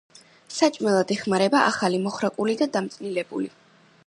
საჭმელად იხმარება ახალი, მოხრაკული და დამწნილებული.